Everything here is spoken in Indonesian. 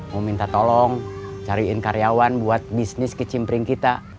mau minta tolong cariin karyawan buat bisnis kecimpring kita